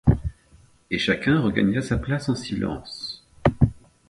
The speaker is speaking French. Et chacun regagna sa place en silence.